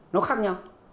nó khác nhau